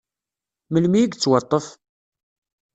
Melmi i yettwaṭṭef?